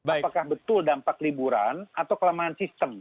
apakah betul dampak liburan atau kelemahan sistem